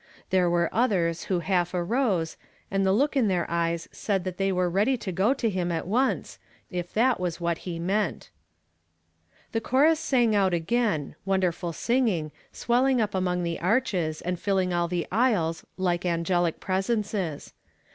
There were others who half arose, and the look in their eyes said that they were ready to go to him at once, if that was wliat he meant. The chorus rang out again, wonderful singing, swelling up among the arches, and filling all the aisles like angelic presences.